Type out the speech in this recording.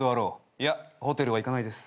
いやホテルは行かないです。